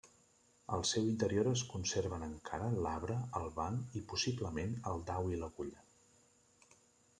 Al seu interior es conserven encara l'arbre, el banc i possiblement el dau i l'agulla.